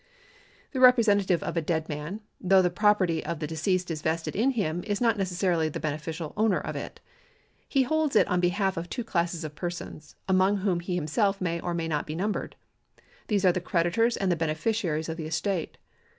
^ The representative of a dead man, though the property of the deceased is vested in him, is not necessarily the beneficial owner of it. He holds it on behalf of two classes of persons, among whom he himself may or may not be numbered. These are the creditors and the beneficiaries of the estate.